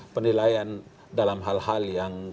penilaian dalam hal hal yang